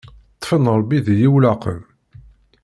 Ṭfen Ṛebbi deg yiwellaqen.